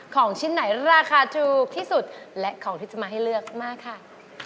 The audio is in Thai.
ของชิ้นไหนราคาถูกที่สุดและของที่จะมาให้เลือกมาค่ะ